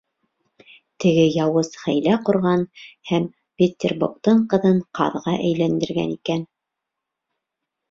Теге яуыз хәйлә ҡорған һәм Веттербоктың ҡыҙын ҡаҙға әйләндергән икән.